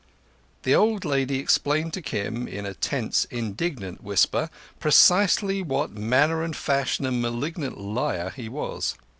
The old lady explained to Kim, in a tense, indignant whisper, precisely what manner and fashion of malignant liar he was.